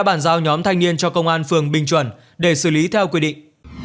tổ tuần tra đã giao nhóm thanh niên cho công an phường bình chuẩn để xử lý theo quy định